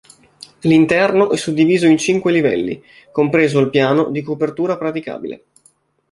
L'interno è suddiviso in cinque livelli, compreso il piano di copertura praticabile.